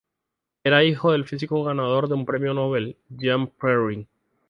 Era hijo del físico ganador de un premio Nobel Jean Perrin.